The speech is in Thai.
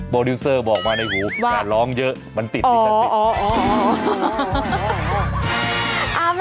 โปรดิวเซอร์บอกมาในหูว่าร้องเยอะมันติด